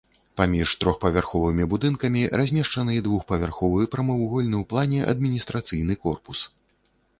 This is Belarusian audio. Паміж трохпавярховымі будынкамі размешчаны двухпавярховы прамавугольны ў плане адміністрацыйны корпус.